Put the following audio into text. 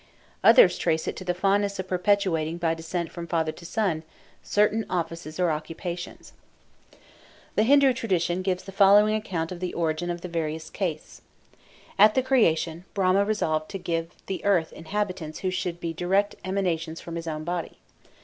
Others trace it to the fondness of perpetuating, by descent from father to son, certain offices or occupations. The Hindu tradition gives the following account of the origin of the various castes: At the creation Brahma resolved to give the earth inhabitants who should be direct emanations from his own body.